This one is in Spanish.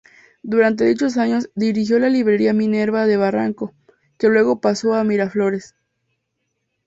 Durante dichos años dirigió la Librería Minerva de Barranco, que luego pasó a Miraflores.